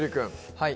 はい。